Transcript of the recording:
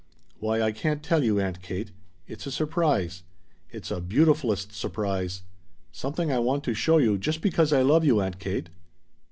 "Why I can't tell you, Aunt Kate. It's a surprise. It's a beautifulest surprise. Something I want to show you just because I love you, Aunt Kate."